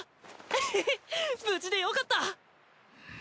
ヘヘッ無事でよかった！